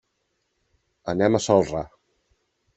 Anem a Celrà.